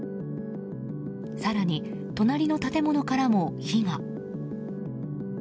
更に、隣の建物からも火が。